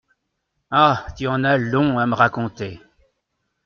Ah ! tu en as long à me raconter !